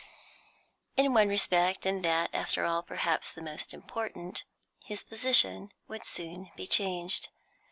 In one respect, and that, after all, perhaps the most important, his position would soon be changed.